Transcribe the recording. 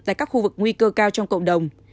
tại các khu vực nguy cơ cao trong cộng đồng